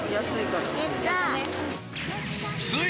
やったー。